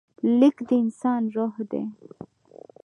لیک د انسان روح دی.